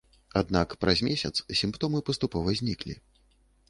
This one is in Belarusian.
Аднак праз месяц сімптомы паступова зніклі.